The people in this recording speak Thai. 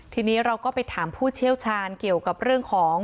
ทีนี้เราก็ไปถามผู้เชี่ยวชาญเกี่ยวกับเรื่องของ